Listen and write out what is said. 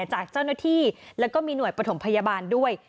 จากเจ้าหน้าที่แล้วก็มีหน่วยปฐมพยาบาลด้วย